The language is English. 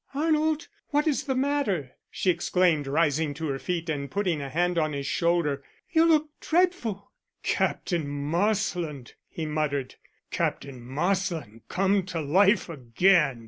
"Arnold, what is the matter?" she exclaimed, rising to her feet and putting a hand on his shoulder. "You look dreadful." "Captain Marsland," he muttered. "Captain Marsland come to life again."